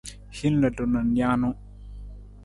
Hin ludu na nijanu.